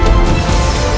aku tidak mau